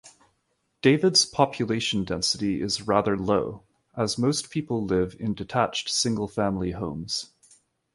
David's population density is rather low, as most people live in detached single-family homes.